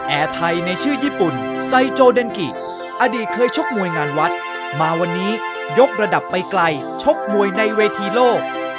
แอร์ไทยในชื่อญี่ปุ่นไซโจเดนกิอดีตเคยชกมวยงานวัดมาวันนี้ยกระดับไปไกลชกมวยในเวทีโลก